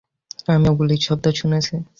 আমিও গুলির শব্দ শুনেছি!